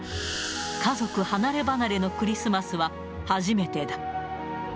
家族離れ離れのクリスマスは初めてだ。